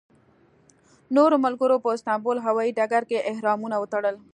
نورو ملګرو په استانبول هوایي ډګر کې احرامونه وتړل.